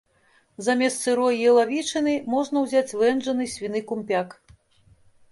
Замест сырой ялавічыны можна ўзяць вэнджаны свіны кумпяк.